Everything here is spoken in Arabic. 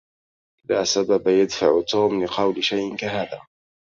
لا سبب يدفع توم لقول شيء كهذا.